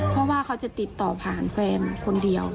เพราะว่าเขาจะติดต่อผ่านแฟนคนเดียว